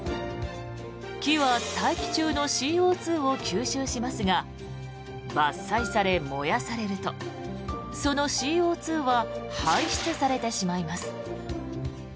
木は大気中のＣＯ２を吸収しますが伐採され、燃やされるとそのＣＯ２は排出されてしまいます。